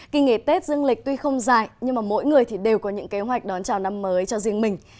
kỳ nghề tết dương lịch tuy không dài nhưng mà mỗi người thì đều có những kế hoạch đón chào năm mới cho riêng mình